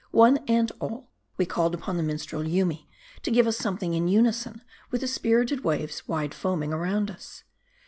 One and all, we called upon the minstrel Yoomy to give us something in unison with the spirited waves wide foaming around us.